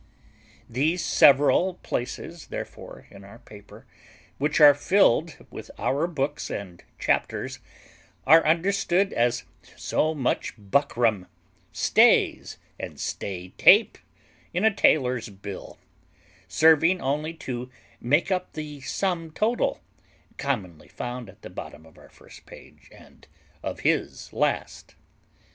These several places therefore in our paper, which are filled with our books and chapters, are understood as so much buckram, stays, and stay tape in a taylor's bill, serving only to make up the sum total, commonly found at the bottom of our first page and of his last.